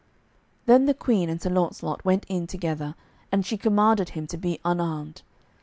Then the Queen and Sir Launcelot went in together, and she commanded him to be unarmed.